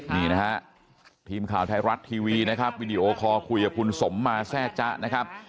นี่นะฮะทีมข่าวไทยรัฐทีวีนะครับวิดีโอคอลคุยกับคุณสมมาแทร่จ๊ะนะครับ